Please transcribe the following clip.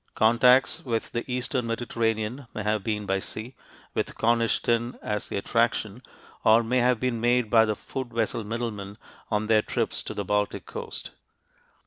Contacts with the eastern Mediterranean may have been by sea, with Cornish tin as the attraction, or may have been made by the Food vessel middlemen on their trips to the Baltic coast.